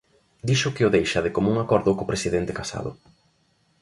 Dixo que o deixa de común acordo co presidente Casado.